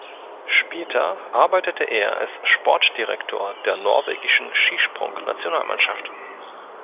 Später arbeitete er als Sportdirektor der norwegischen Skisprung-Nationalmannschaft.